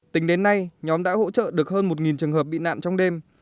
tính đến nay nhóm đã hỗ trợ được hơn một trường hợp bị nạn trong đêm